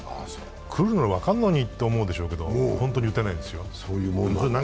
来るの分かるのにと思うでしょうけど、本当に打てないんですよ。